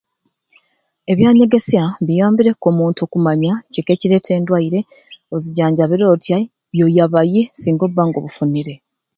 Ebyanyegesya biyambireku omuntu okumanya kiki ekireeta endwaire, ozijanjabire otyai, ye oyaba yi singa obba nga obufunire.